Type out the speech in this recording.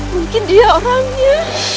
mungkin dia orangnya